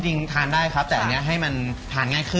จริงทานได้ครับแต่อันนี้ให้มันทานง่ายขึ้น